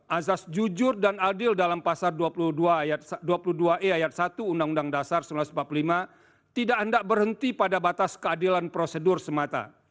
azas jujur dan adil dalam pasar dua puluh dua e ayat satu undang undang dasar seribu sembilan ratus empat puluh lima tidak hendak berhenti pada batas keadilan prosedur semata